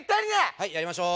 はいやりましょう。